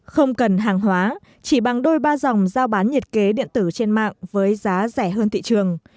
không cần hàng hóa chỉ bằng đôi ba dòng giao bán nhiệt kế điện tử trên mạng với giá rẻ hơn thị trường